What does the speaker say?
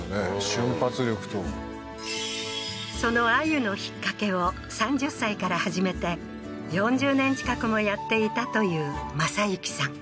瞬発力とその鮎の「ひっかけ」を３０歳から始めて４０年近くもやっていたという正行さん